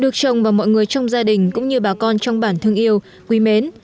được chồng và mọi người trong gia đình cũng như bà con trong bản thương yêu quý mến